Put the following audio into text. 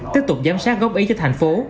tiếp tục giám sát góp ý cho thành phố